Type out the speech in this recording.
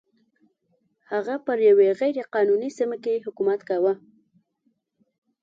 هغه پر یوې غیر قانوني سیمه کې حکومت کاوه.